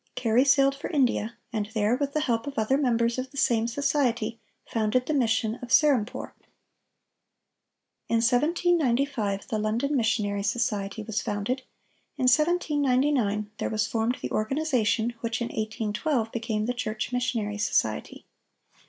Carey sailed for India, and there, with the help of other members of the same society, founded the mission of Serampore." In 1795, the London Missionary Society was founded; in 1799, there was formed "the organization which in 1812 became the Church Missionary Society."